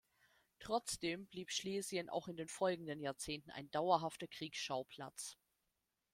Trotzdem blieb Schlesien auch in den folgenden Jahrzehnten ein dauerhafter Kriegsschauplatz.